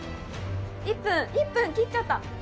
１分切っちゃった。